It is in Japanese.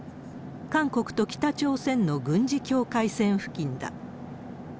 韓国と北朝鮮の軍事境界線付近だ。